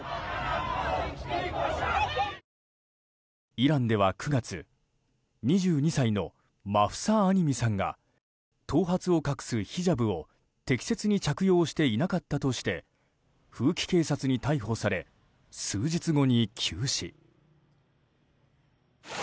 イランでは９月２２歳のマフサ・アミニさんが頭髪を隠すヒジャブを適切に着用していなかったとして風紀警察に逮捕され数日後に急死。